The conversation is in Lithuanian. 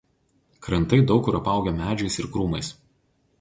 Krantai daug kur apaugę medžiais ir krūmais.